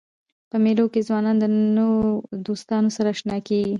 په مېلو کښي ځوانان د نوو دوستانو سره اشنا کېږي.